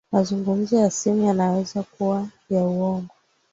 mazungumzo ya simu yanaweza kuwa ya uongo